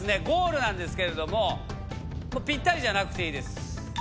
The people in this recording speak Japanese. ゴールなんですけれどもぴったりじゃなくていいです。